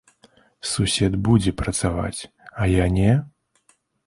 Сусед будзе працаваць, а я не?